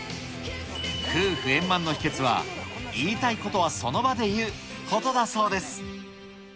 夫婦円満の秘けつは、言いたいことはその場で言うことだそうです。